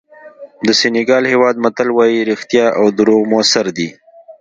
د سینیګال هېواد متل وایي رښتیا او دروغ موثر دي.